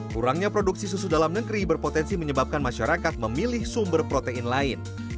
kurangnya produksi susu dalam negeri berpotensi menyebabkan masyarakat memilih sumber protein lain